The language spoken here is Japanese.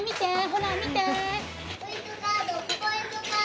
ほら見て！